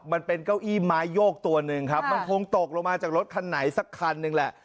มันเป็นเก้าอี้ไม้โยกตัวหนึ่งครับมันคงตกลงมาจากรถคันไหนสักคันหนึ่งแหละ